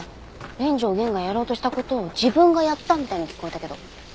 連城源がやろうとした事を自分がやったみたいに聞こえたけど。